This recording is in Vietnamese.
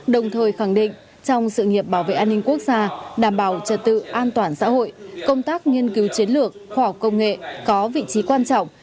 đồng thời khẳng định trong sự nghiệp bảo vệ an ninh quốc gia đảm bảo trật tự an toàn xã hội công tác nghiên cứu chiến lược khoa học công nghệ có vị trí quan trọng